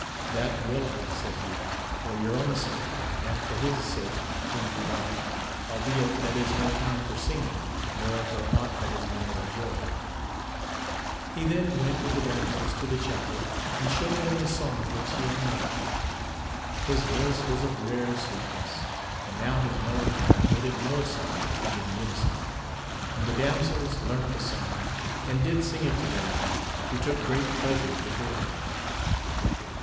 That will I, said he, for your own sake, and for his sake whom you love ; albeit that is no time for singing, nor for aught that is matter of joy. He then went with the damsels to the chapel, and showed them the song which he had made ; his voice was of rare sweetness, and now his AMADIS OF GAVL 303 melancholy made it more soft and in unison ; and the damsels learnt the song, and did sing it to their lady, who took great pleasure to hear them.